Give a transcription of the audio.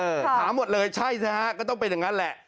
ถามหมดเลยใช่สิฮะก็ต้องเป็นอย่างนั้นแหละ